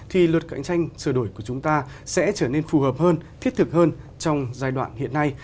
thì luật cạnh tranh sửa đổi của chúng ta sẽ trở nên phù hợp hơn thiết thực hơn trong giai đoạn hiện nay